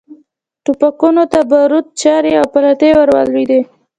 ټوپکونو ته باروت، چرې او پلتې ور ولوېدې.